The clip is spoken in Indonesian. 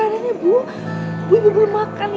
astrid ibu hanya kepikiran sama bapakmu